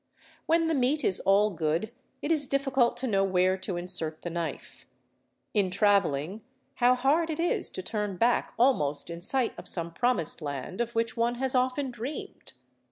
When the meat is all good it is difficult to know where to insert the knife. In travelling, how hard it is to turn back almost in sight of some Promised Land of which one has often dreamed!